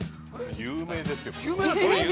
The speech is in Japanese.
◆有名ですよ。